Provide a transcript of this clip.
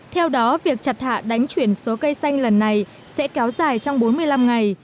theo đó việc chặt hạ đánh chuyển số cây xanh lần này sẽ kéo dài trong bốn mươi năm ngày